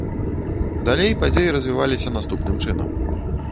Далей падзеі развіваліся наступным чынам.